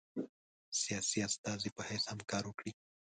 سیاسي استازي په حیث هم کار وکړي.